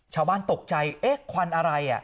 ชาวบ้านตกใจเอ๊ะควันอะไร